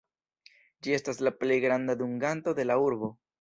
Ĝi estas la plej granda dunganto de la urbo.